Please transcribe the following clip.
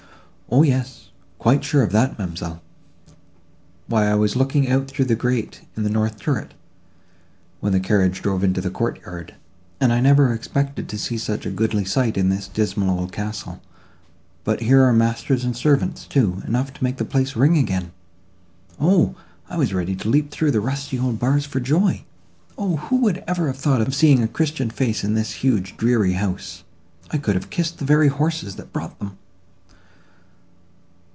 "O yes, quite sure of that, ma'amselle. Why, I was looking out through the grate in the north turret, when the carriages drove into the courtyard, and I never expected to see such a goodly sight in this dismal old castle! but here are masters and servants, too, enough to make the place ring again. O! I was ready to leap through the rusty old bars for joy!—O! who would ever have thought of seeing a christian face in this huge dreary house? I could have kissed the very horses that brought them."